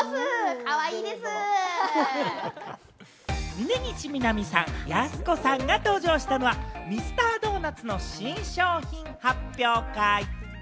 峯岸みなみさん、やす子さんが登場したのは、ミスタードーナツの新商品発表会。